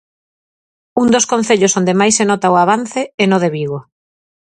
Un dos concellos onde máis se nota o avance é no de Vigo.